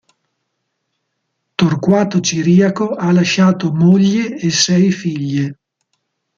Torquato Ciriaco ha lasciato moglie e sei figlie.